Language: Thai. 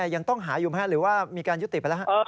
ยังต้องหาอยู่ไหมหรือว่ามีการยุติไปแล้ว